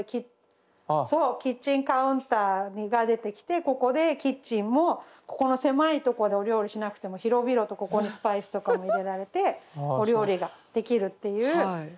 そうキッチンカウンターが出てきてここでキッチンもここの狭いとこでお料理しなくても広々とここにスパイスとかも入れられてお料理ができるっていう。